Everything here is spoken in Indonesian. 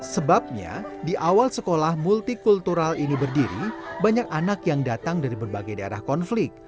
sebabnya di awal sekolah multikultural ini berdiri banyak anak yang datang dari berbagai daerah konflik